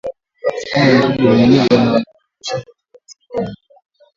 Epuka kusukuma mifugo yenye mimba na inayonyonyesha katika misafara mirefu